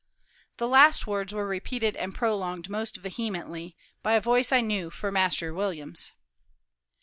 The last words were repeated and prolonged most vehemently by a voice that I knew for Master William's.